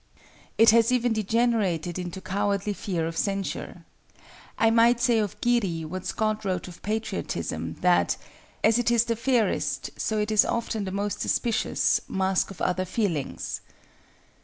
It has even degenerated into cowardly fear of censure. I might say of Giri what Scott wrote of patriotism, that "as it is the fairest, so it is often the most suspicious, mask of other feelings."